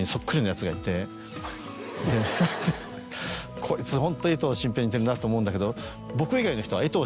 こいつホント江藤新平に似てるなと思うんだけど。